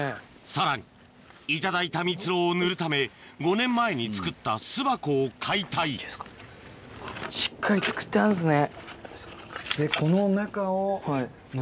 さらに頂いたミツロウを塗るため５年前に作った巣箱を解体なってほしいですね。